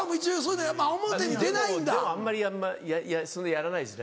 でもあんまりそんなやらないですね。